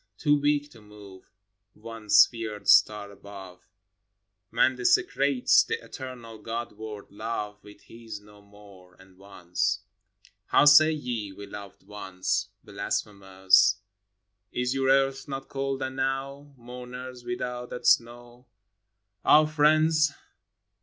Too weak to move One sphered star above, Man desecrates the eternal God word Love With his No More, and Once. How say ye, "We loved once" Blasphemers ? Is your earth not cold enow, Mourners, without that snow ? Ah, friends!